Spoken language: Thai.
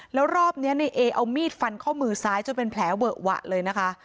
แล้วรอบนี้ในเอเอามีดฟันข้อมือซ้ายจนเป็นแผลเวอะหวะเลยนะคะ